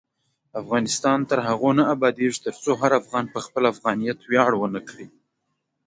افغانستان تر هغو نه ابادیږي، ترڅو هر افغان په خپل افغانیت ویاړ ونه کړي.